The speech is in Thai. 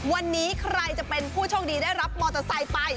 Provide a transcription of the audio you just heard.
วันนี้ใครจะเป็นผู้โชคดีได้รับมอเตอร์ไซค์ไป